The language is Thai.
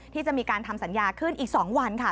ที่จะมีการทำสัญญาขึ้นอีก๒วันค่ะ